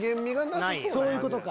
そういうことか。